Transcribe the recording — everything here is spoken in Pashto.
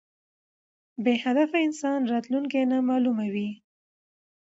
بی هدف انسان راتلونکي نامعلومه وي